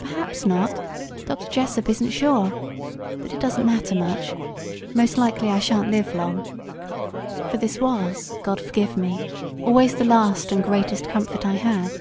"Perhaps not Dr. Jessop isn't sure. But it doesn't matter much; most likely I shan't live long." For this was, God forgive me, always the last and greatest comfort I had.